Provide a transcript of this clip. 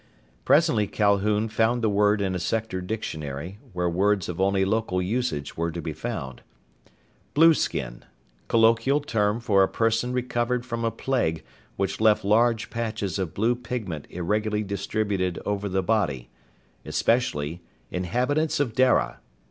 Presently Calhoun found the word in a Sector dictionary, where words of only local usage were to be found: "_Blueskin: Colloquial term for a person recovered from a plague which left large patches of blue pigment irregularly distributed over the body. Especially, inhabitants of Dara.